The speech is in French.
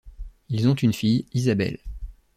Ils ont une fille, Isabel.